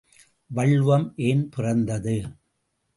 வள்ளுவம் ஏன் பிறந்தது?